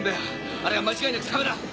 あれは間違いなくサメだ！